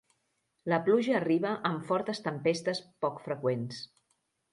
La pluja arriba amb fortes tempestes poc freqüents.